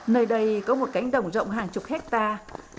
nơi đây có một cánh đồng rộng hàng chục hectare